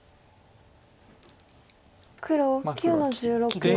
黒９の十六切り。